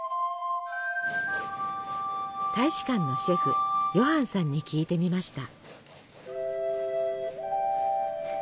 大使館のシェフヨハンさんに聞いてみました。